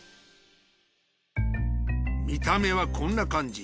見た目はこんな感じ。